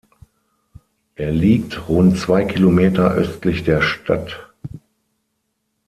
Er liegt rund zwei Kilometer östlich der Stadt.